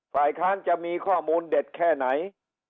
ฝ่ายค้านจะมีข้อมูลเด็ดแค่ไหน